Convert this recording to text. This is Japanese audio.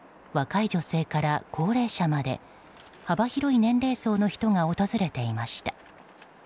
若い女性から高齢者まで幅広い年齢層の人が訪れていました。